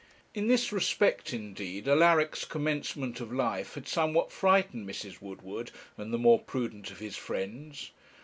In this respect indeed Alaric's commencement of life had somewhat frightened Mrs. Woodward, and the more prudent of his friends.